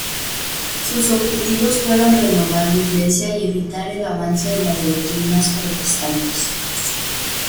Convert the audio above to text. Sus objetivos fueron renovar la Iglesia y evitar el avance de las doctrinas protestantes.